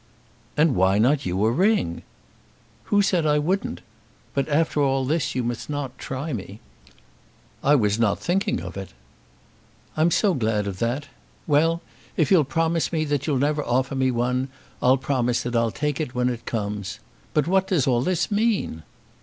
"And why not you a ring?" "Who said I wouldn't? But after all this you mustn't try me." "I was not thinking of it." "I'm so glad of that! Well; if you'll promise that you'll never offer me one, I'll promise that I'll take it when it comes. But what does all this mean?"